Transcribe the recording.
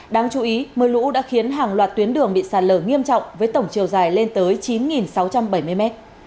đáng chú ý mưa lũ đã khiến hàng loạt tuyến đường bị sạt lở nghiêm trọng với tổng chiều dài lên tới chín sáu trăm bảy mươi mét